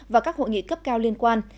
và các hội nghị cấp cao liên quan